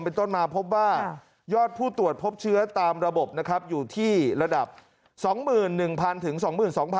เป็นต้นมาพบว่ายอดผู้ตรวจพบเชื้อตามระบบนะครับอยู่ที่ระดับ๒๑๐๐๐ถึง๒๒๐๐